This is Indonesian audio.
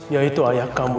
yaitu ayah kamu